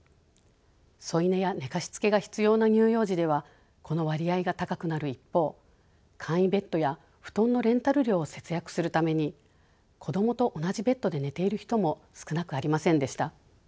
添い寝や寝かしつけが必要な乳幼児ではこの割合が高くなる一方簡易ベッドや布団のレンタル料を節約するために子どもと同じベッドで寝ている人も少なくありませんでした。